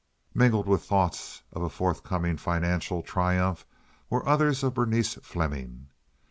Mingled with thoughts of a forthcoming financial triumph were others of Berenice Fleming.